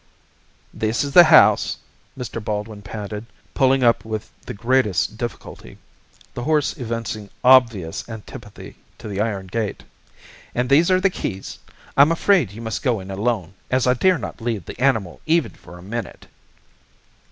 "This is the house," Mr. Baldwin panted, pulling up with the greatest difficulty, the horse evincing obvious antipathy to the iron gate. "And these are the keys. I'm afraid you must go in alone, as I dare not leave the animal even for a minute."